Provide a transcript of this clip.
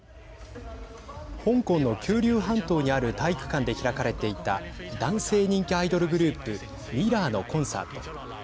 香港の九龍半島にある体育館で開かれていた男性人気アイドルグループＭＩＲＲＯＲのコンサート。